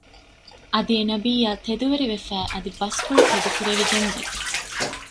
އަދި އެ ނަބިއްޔާ ތެދުވެރިވެފައި އަދި ބަސްފުޅު ތެދު ކުރެވިގެންވޭ